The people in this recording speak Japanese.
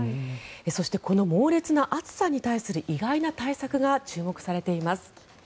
そして、この猛烈な暑さに対する意外な対策が注目されています。